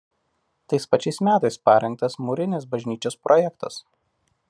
Tais pačiais metais parengtas mūrinės bažnyčios projektas.